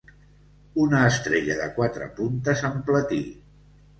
Una estrella de quatre puntes en platí.